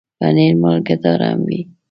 پنېر مالګهدار هم وي.